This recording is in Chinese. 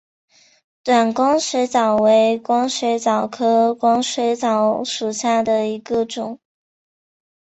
短光水蚤为光水蚤科光水蚤属下的一个种。